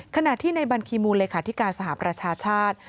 ขณะที่ในบัญคีมูลเลขาธิการสหประชาชาติ